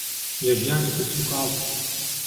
لە ژیانی کرچ و کاڵ.